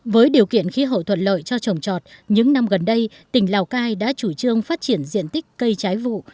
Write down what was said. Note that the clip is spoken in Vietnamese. với điều kiện khí hậu thuận lợi cho trồng trọt những năm gần đây tỉnh lào cai đã chủ trương phát triển diện tích cây trái vụ